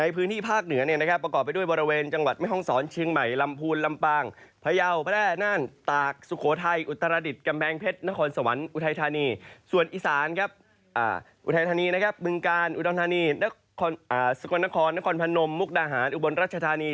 เมืองกาลอุดองทานีสกวรนครนครพนมมุกดาหารอุบลรัชธานี